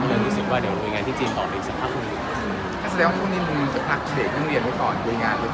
การให้กูได้ไปเรียนต่อที่จีนไปกันก็คืนครับ